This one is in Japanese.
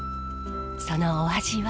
そのお味は？